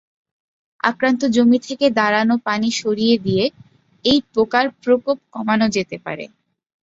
আক্রান্ত জমি থেকে দাঁড়ানো পানি সরিয়ে দিয়ে এই পোকার প্রকোপ কমানো যেতে পারে।